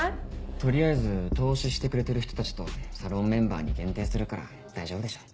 取りあえず投資してくれてる人たちとサロンメンバーに限定するから大丈夫でしょ。